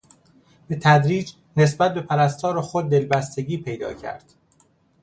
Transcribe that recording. به تدریج نسبت به پرستار خود دلبستگی پیدا کرد.